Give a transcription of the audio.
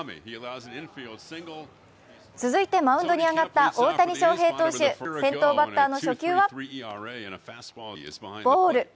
続いてマウンドに上がった大谷翔平投手、先頭バッターの初球はボール。